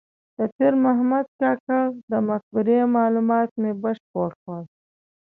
د پیر محمد کاکړ د مقبرې معلومات مې بشپړ کړل.